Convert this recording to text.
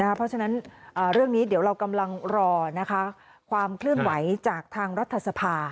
นะครับเพราะฉะนั้นอ่าเรื่องนี้เดี๋ยวเรากำลังรอนะคะความคลื่นไหวจากทางรัฐสภา